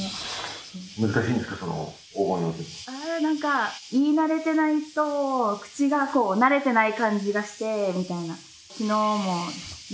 なんか言い慣れていないと口が慣れていない感じがしてみたいな。